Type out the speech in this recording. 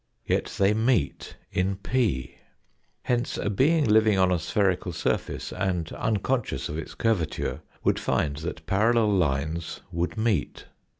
Yet they meet in P. Hence a being living on a spherical surface, and unconscious of its curvature, would find that parallel lines would meet.